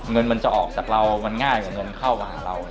เงินมันจะออกจากเรามันง่ายกว่าเงินเข้ามาหาเรา